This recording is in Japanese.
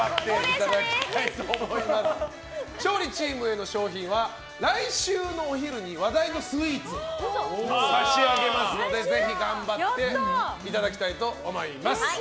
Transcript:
勝利チームへの賞品は来週のお昼に話題のスイーツを差し上げますのでぜひ頑張っていただきたいと思います。